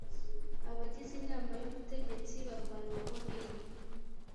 abagize inama y ubutegetsi bavanwaho n imwe